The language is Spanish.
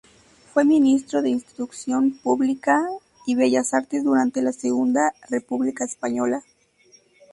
Fue ministro de Instrucción Pública y Bellas Artes durante la Segunda República Española.